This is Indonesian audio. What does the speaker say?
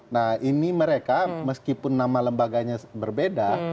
nah ini mereka meskipun nama lembaganya berbeda